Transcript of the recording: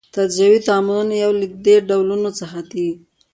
تجزیوي تعاملونه یو له دې ډولونو څخه دي.